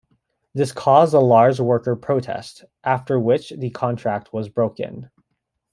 This caused a large worker protest, after which the contract was broken.